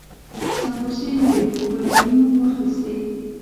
سمبوسې نه وې خو بولاني مو واخيستې.